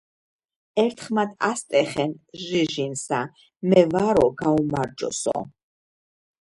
ერთხმად ასტეხენ ჟიჟინსა:"მე ვარო გაუმარჯოსო"